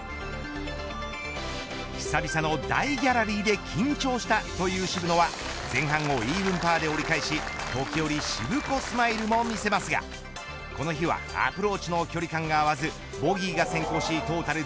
久々の大ギャラリーで緊張したという渋野は前半をイーブンパーで折り返し時折、シブコスマイルも見せますがこの日はアプローチの距離感が合わずボギーが先行しトータル